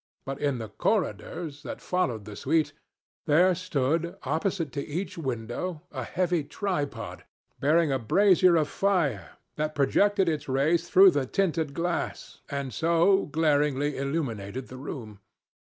But in the corridors that followed the suite, there stood, opposite to each window, a heavy tripod, bearing a brazier of fire that projected its rays through the tinted glass and so glaringly illumined the room.